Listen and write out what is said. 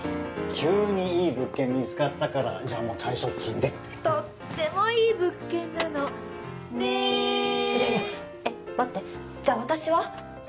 急にいい物件見つかったからじゃあもとってもいい物件なのねぇいやいやえっ待ってじゃあ私は？